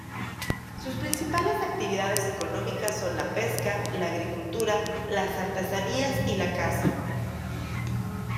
Sus principales actividades económicas son la pesca, la agricultura, las artesanías y la caza.